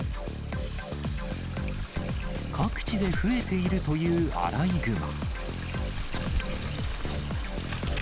各地で増えているというアライグマ。